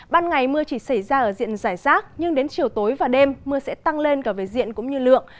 ban ngày mưa chỉ xảy ra ở diện giải rác nhưng đến chiều tối và đêm mưa sẽ tăng lên cả về diện cũng như lượng